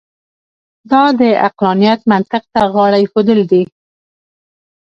دا د عقلانیت منطق ته غاړه اېښودل دي.